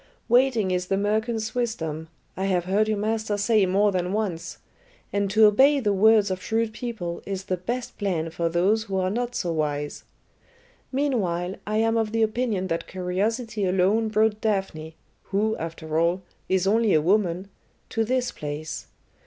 'Waiting is the merchant's wisdom,' I have heard your master say more than once, and to obey the words of shrewd people is the best plan for those who are not so wise. Meanwhile, I am of the opinion that curiosity alone brought Daphne who, after all, is only a woman to this place.